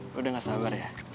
udah gak sabar ya